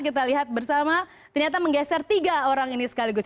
kita lihat bersama ternyata menggeser tiga orang ini sekaligus